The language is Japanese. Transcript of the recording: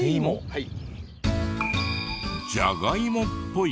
はい。